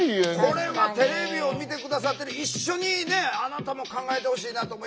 これはテレビを見て下さってる一緒にねあなたも考えてほしいなと思いますが。